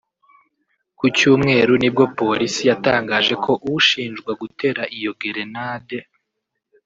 Ku cyumweru nibwo Polisi yatangaje ko ushinjwa gutera iyo gerenade